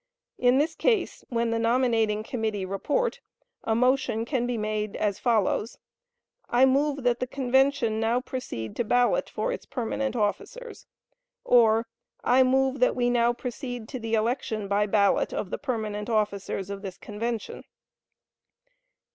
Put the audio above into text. In this case, when the nominating committee report, a motion can be made as follows: "I move that the convention now proceed to ballot for its permanent officers;" or "I move that we now proceed to the election, by ballot, of the permanent officers of this convention."